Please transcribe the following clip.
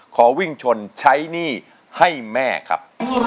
ขอวิ่งชนใช้หนี้ให้แม่ครับ